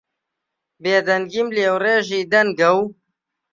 بێدەنگیم لێوڕێژی دەنگە و